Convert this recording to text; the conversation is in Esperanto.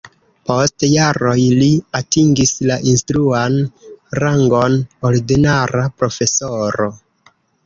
Post jaroj li atingis la instruan rangon ordinara profesoro.